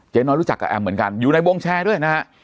น้อยรู้จักกับแอมเหมือนกันอยู่ในวงแชร์ด้วยนะฮะ